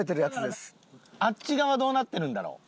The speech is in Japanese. あっち側どうなってるんだろう？